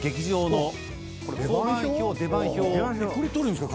これ撮るんすか？